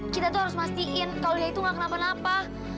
kita tuh harus mastiin kalau dia itu gak kenapa napa